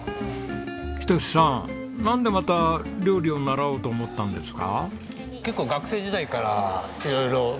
仁さんなんでまた料理を習おうと思ったんですか？